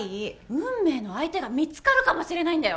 運命の相手が見つかるかもしれないんだよ？